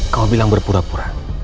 kamu bilang berpura pura